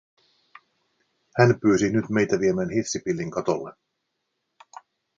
Hän pyysi nyt meitä viemään hitsipillin katolle.